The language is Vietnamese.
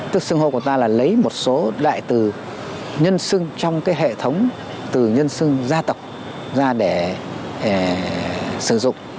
tức xưng hô của ta là lấy một số đại từ nhân xưng trong cái hệ thống từ nhân xưng gia tộc ra để sử dụng